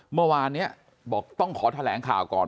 เมื่อวานนี้บอกต้องขอแถลงข่าวก่อน